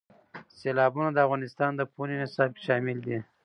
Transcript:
سیلابونه د افغانستان د پوهنې نصاب کې شامل دي.